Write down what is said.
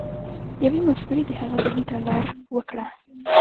يوې مفکورې د هغه ذهن ته لار وکړه.